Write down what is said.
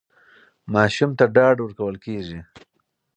ماشوم ته ډاډ ورکول کېږي.